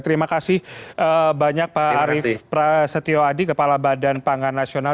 terima kasih banyak pak arief prasetyo adi kepala badan pangan nasional